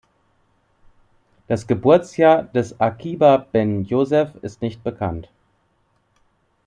Das Geburtsjahr des Akiba ben Josef ist nicht bekannt.